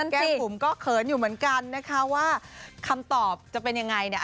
แก้วบุ๋มก็เขินอยู่เหมือนกันนะคะว่าคำตอบจะเป็นยังไงเนี่ย